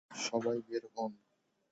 সবাই বের হোন!